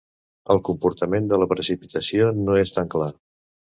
El comportament de la precipitació no és tan clar.